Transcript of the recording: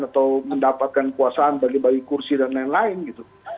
atau mendapatkan kuasaan bagi bagi kursi dan lain lain gitu